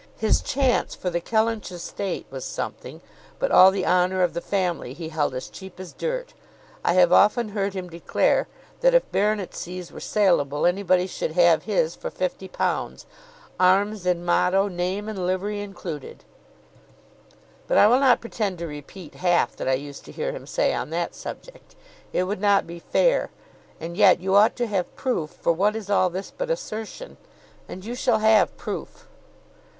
His chance for the Kellynch estate was something, but all the honour of the family he held as cheap as dirt. I have often heard him declare, that if baronetcies were saleable, anybody should have his for fifty pounds, arms and motto, name and livery included; but I will not pretend to repeat half that I used to hear him say on that subject. It would not be fair; and yet you ought to have proof, for what is all this but assertion, and you shall have proof."